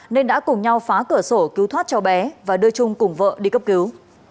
nên đã cùng nhau phá cửa sổ cứu thoát cháu bé và đưa trung cùng vợ đi cấp cứu